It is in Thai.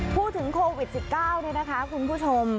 พูดถึงโควิด๑๙นี่นะคะคุณผู้ชม